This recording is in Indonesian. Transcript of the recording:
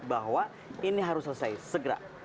bahwa ini harus selesai segera